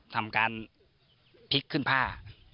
ทำการพลิกขึ้นผ้า